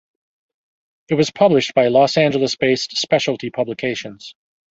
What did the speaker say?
It was published by Los Angeles-based Specialty Publications.